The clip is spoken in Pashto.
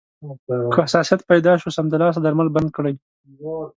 که حساسیت پیدا شو، سمدلاسه درمل بند کړئ.